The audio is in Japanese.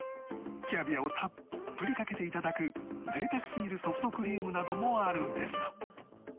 キャビアをたっぷりかけて頂く贅沢すぎるソフトクリームなどもあるんですが